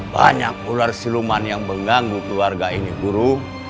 banyak ular siluman yang mengganggu keluarga ini guru